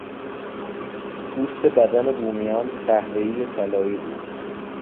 پوست بدن بومیان قهوهای طلایی بود.